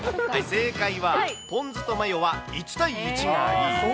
正解はポン酢とマヨは１対１がいい。